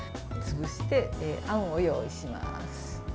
潰して、あんを用意します。